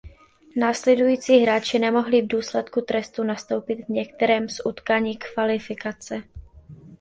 Následující hráči nemohli v důsledku trestu nastoupit v některém z utkání kvalifikace.